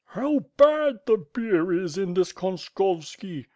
"How bad the beer is in this Konskovoli!"